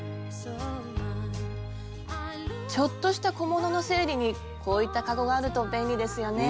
ちょっとした小物の整理にこういったかごがあると便利ですよね。